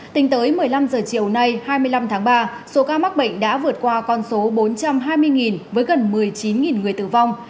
tính tới một mươi năm h chiều nay hai mươi năm tháng ba số ca mắc bệnh đã vượt qua con số bốn trăm hai mươi với gần một mươi chín người tử vong